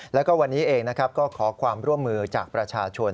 แล้วก็วันนี้เองนะครับก็ขอความร่วมมือจากประชาชน